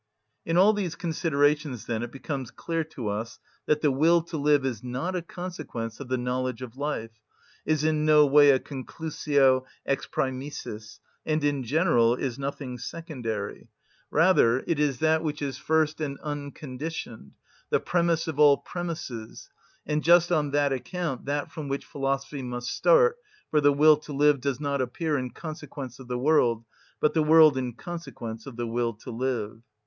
In all these considerations, then, it becomes clear to us that the will to live is not a consequence of the knowledge of life, is in no way a conclusio ex præmissis, and in general is nothing secondary. Rather, it is that which is first and unconditioned, the premiss of all premisses, and just on that account that from which philosophy must start, for the will to live does not appear in consequence of the world, but the world in consequence of the will to live.